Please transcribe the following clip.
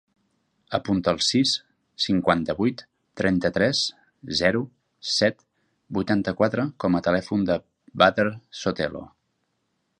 Apunta el sis, cinquanta-vuit, trenta-tres, zero, set, vuitanta-quatre com a telèfon del Badr Sotelo.